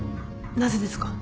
なぜですか？